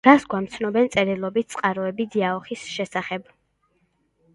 რას გვამცნობენ წერილობითი წყაროები დიაოხის შესახებ?